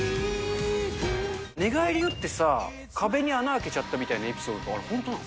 寝返りうってさ、壁に穴開けちゃったみたいなエピソードって、あれほんとなの？